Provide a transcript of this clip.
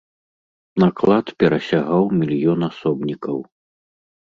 Наклад перасягаў мільён асобнікаў.